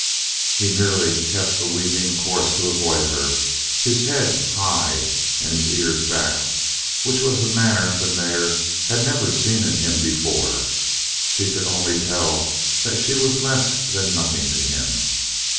He merely kept a weaving course to avoid her, his head high and his ears back, which was a manner the mare had never seen in him before; she could only tell that she was less than nothing to him.